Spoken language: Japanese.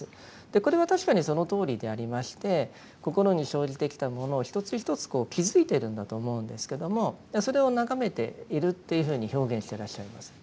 これは確かにそのとおりでありまして心に生じてきたものを一つ一つ気づいているんだと思うんですけどもそれを眺めているっていうふうに表現してらっしゃいます。